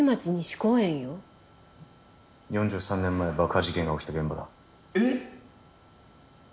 ４３年前爆破事件が起きた現場だ。えっ！？